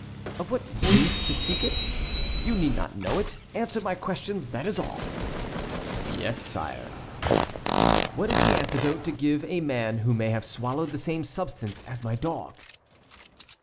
"Of what use to seek it? You need not know it. Answer my questions, that is all." "Yes, sire." "What is the antidote to give a man who may have swallowed the same substance as my dog?"